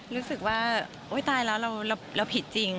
รู้สึกว่าโอ๊ยตายแล้วเราผิดจริง